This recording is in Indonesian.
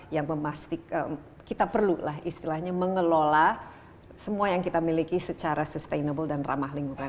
yang memastikan kita perlulah istilahnya mengelola semua yang kita miliki secara sustainable dan ramah lingkungan